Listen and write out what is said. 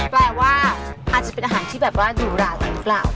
แปลว่าอาจจะเป็นอาหารที่แบบว่าหรูหราหรือเปล่า